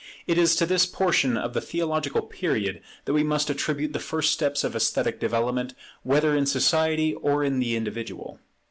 It is to this portion of the theological period that we must attribute the first steps of esthetic development, whether in society or in the individual.